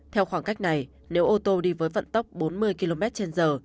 theo khoảng cách này nếu ô tô đi với vận tốc bốn mươi km trên giờ